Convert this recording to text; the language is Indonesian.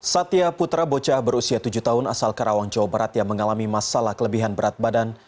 satya putra bocah berusia tujuh tahun asal karawang jawa barat yang mengalami masalah kelebihan berat badan